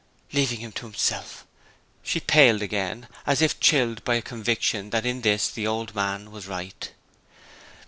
Leaving him to himself! She paled again, as if chilled by a conviction that in this the old man was right.